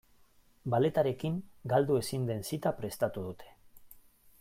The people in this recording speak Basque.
Balletarekin galdu ezin den zita prestatu dute.